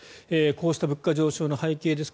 こうした物価上昇の背景です。